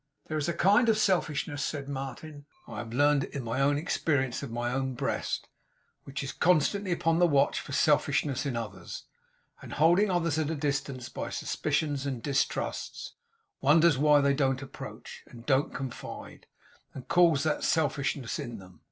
'There is a kind of selfishness,' said Martin 'I have learned it in my own experience of my own breast which is constantly upon the watch for selfishness in others; and holding others at a distance, by suspicions and distrusts, wonders why they don't approach, and don't confide, and calls that selfishness in them.